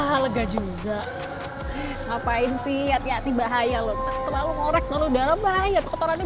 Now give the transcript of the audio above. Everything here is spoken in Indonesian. hal lega juga ngapain sih hati hati bahaya loh terlalu ngorek terlalu dalam bahaya kotorannya